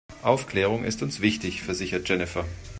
Aufklärung ist uns wichtig, versichert Jennifer.